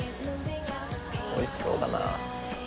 おいしそうだなぁ。